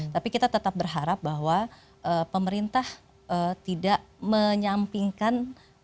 tapi kita tetap berharap bahwa pemerintah tidak menyampingkan